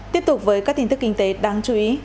tiếp tục với các tin tức kinh tế đáng chú ý